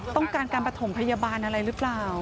ต้องการการประถมพยาบาลอะไรหรือเปล่า